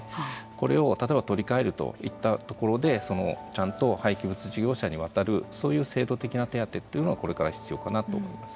これを例えば取り替えるといったところでちゃんと廃棄物事業者に渡るそういう制度的な手当てっていうのはこれから必要かなと思います。